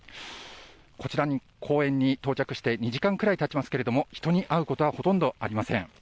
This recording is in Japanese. こちらに公園に到着して２時間くらいたちますけれども、人に会うことはほとんどありません。